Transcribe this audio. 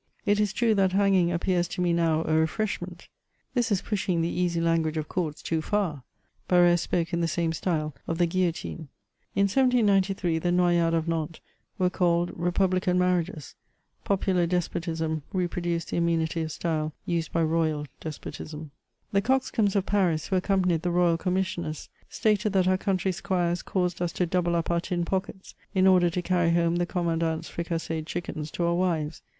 It is true that hanging appears to me now a refireshment." This is pufihing the easy language of courts too far : Barr^re spoke in the same style of the guillotipe. In 1793 the noyades of Nantes were called repvblican marrmges : popu lar despotism reproduced the amenity of style used by royal des potism. The coxcombs of Paris, who accompanied the royal commis sioners, stated that our country squires caused us to double up our tin pockets, in order to carry home the commandant*s fricasseed chickens to our wives.